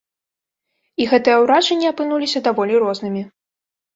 І гэтыя ўражанні апынуліся даволі рознымі.